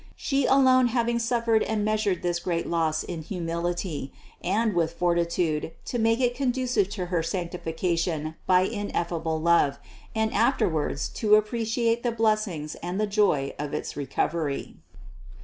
She alone having suf fered and measured this great loss in humility, and with fortitude, to make it conducive to her sanctification by ineffable love, and afterwards to appreciate the blessings and the joy of its recovery.